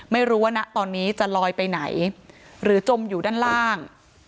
ไม่รู้ว่าณตอนนี้จะลอยไปไหนหรือจมอยู่ด้านล่าง